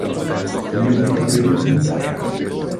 Strumenti preferiti?